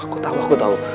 aku tau aku tau